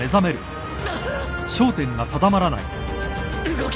動け！